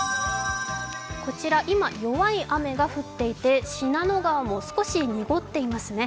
こちら今弱い雨が降っていて信濃川も少し濁っていますね。